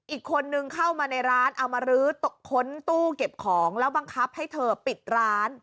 อีกคนนึงเข้ามาในร้านเอามาค้นตู้เก็บของแล้วบังคับให้เธอปิดร้าน